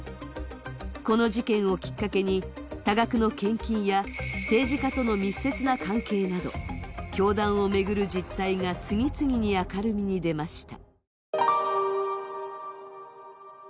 この事件をきっかけに、多額の献金や政治家との密接な関係など教団を巡る実態が次々に明るみに出ました。